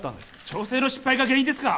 調整の失敗が原因ですか？